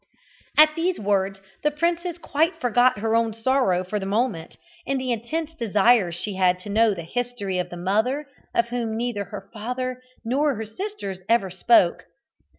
At these words the princess quite forgot her own sorrow for the moment, in the intense desire she had to know the history of the mother of whom neither her father nor her sisters ever spoke.